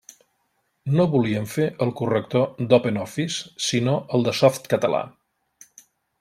No volíem fer el corrector d'OpenOffice, sinó el de Softcatalà.